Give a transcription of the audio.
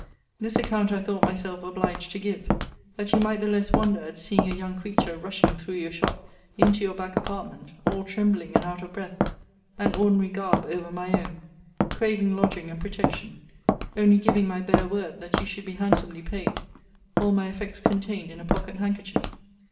'This account I thought myself obliged to give, that you might the less wonder at seeing a young creature rushing through your shop, into your back apartment, all trembling and out of breath; an ordinary garb over my own; craving lodging and protection; only giving my bare word, that you should be handsomely paid: all my effects contained in a pocket handkerchief.